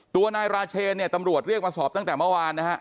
ตัวนายราเชนเนี่ยตำรวจเรียกมาสอบตั้งแต่เมื่อวานนะฮะ